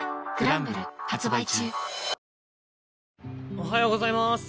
おはようございます。